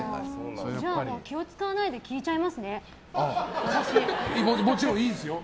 じゃあ、気を使わないで聞いちゃいますね、私。